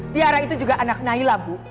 tiara itu juga anak naila bu